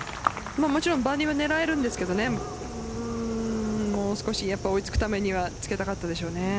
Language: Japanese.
もちろんバーディーは狙えるんですけどもう少し追いつくためにはつけたかったです。